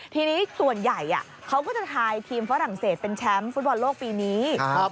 ทีนี้ส่วนใหญ่เขาก็จะทายทีมฝรั่งเศสเป็นแชมป์ฟุตบอลโลกปีนี้